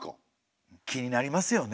気になりますよね？